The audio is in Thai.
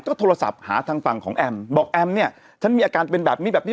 ก็โทรศัพท์หาทางฝั่งของแอมบอกแอมเนี่ยฉันมีอาการเป็นแบบนี้แบบนี้